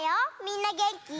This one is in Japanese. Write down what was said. みんなげんき？